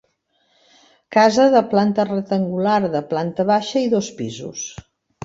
Casa de planta rectangular de planta baixa i dos pisos.